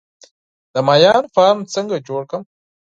د ماهیانو فارم څنګه جوړ کړم؟